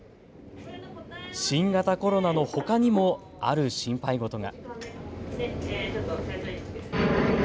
新型コロナのほかにもある心配事が。